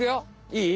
いい？